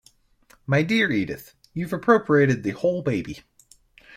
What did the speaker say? My dear Edith, you've appropriated the whole baby.